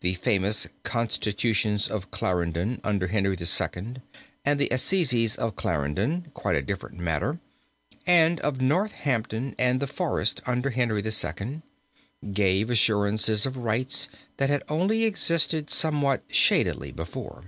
The famous Constitutions of Clarendon under Henry II. and the Assizes of Clarendon (quite a different matter) and of North Hampton and the Forest under Henry II., gave assurances of rights that had only existed somewhat shadily before.